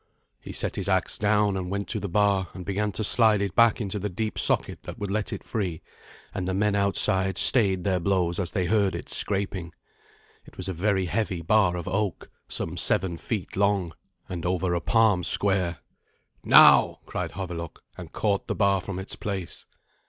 He set his axe down, and went to the bar, and began to slide it back into the deep socket that would let it free, and the men outside stayed their blows as they heard it scraping. It was a very heavy bar of oak, some seven feet long, and over a palm square. "Now!" cried Havelok, and caught the bar from its place.